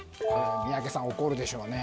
宮家さん、怒るでしょうね。